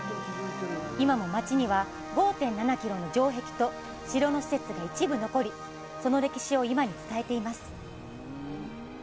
今も街には５．７ｋｍの城壁と城の施設が一部残りその歴史を今に伝えています